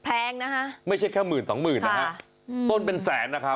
แพงนะฮะไม่ใช่แค่หมื่นสองหมื่นนะฮะต้นเป็นแสนนะครับ